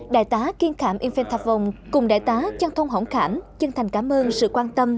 đại tá kiên khảm yên phên tham vong cùng đại tá trang thông hổng khảnh chân thành cảm ơn sự quan tâm